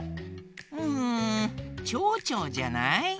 うん「ちょうちょう」じゃない？